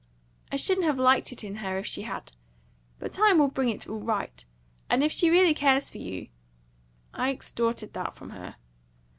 "I shouldn't have liked it in her if she had. But time will bring it all right. And if she really cares for you " "I extorted that from her."